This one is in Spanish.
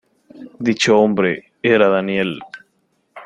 Dicho hombre era Daniel.